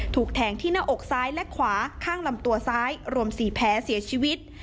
ถูกแทงที่หน้าอกซ้ายและขวาข้างลำตัวซ้ายรวม๔แผลเสียชีวิต